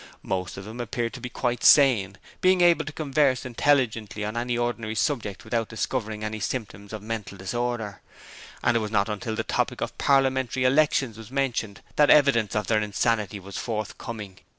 Most of them appeared to be quite sane, being able to converse intelligently on any ordinary subject without discovering any symptoms of mental disorder, and it was not until the topic of Parliamentary elections was mentioned that evidence of their insanity was forthcoming.